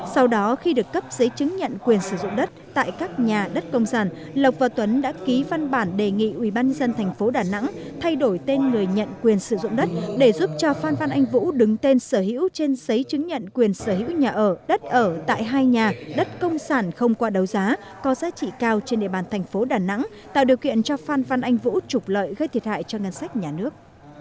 sau đó khi được cấp giấy chứng nhận quyền sử dụng đất tại các nhà đất công sản lộc và tuấn đã ký văn bản đề nghị ubnd tp đà nẵng thay đổi tên người nhận quyền sử dụng đất để giúp cho phan văn anh vũ đứng tên sở hữu trên giấy chứng nhận quyền sở hữu nhà ở đất ở tại hai nhà đất công sản không qua đấu giá có giá trị cao trên địa bàn tp đà nẵng tạo điều kiện cho phan văn anh vũ trục lợi gây thiệt hại cho ngân sách nhà nước